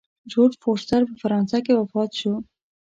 جورج فورسټر په فرانسه کې وفات شو.